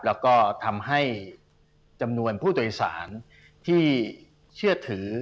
แล้วก็ทำให้จำนวนผู้โดยสารที่เชื่อถือ